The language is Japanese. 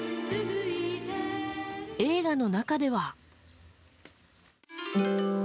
映画の中では。